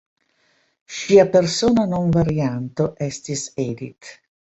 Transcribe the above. Ŝia persona nomvarianto estis "Edith".